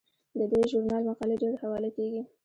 د دې ژورنال مقالې ډیرې حواله کیږي.